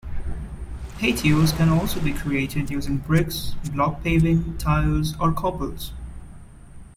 Patios can also be created using bricks, block paving, tiles or cobbles.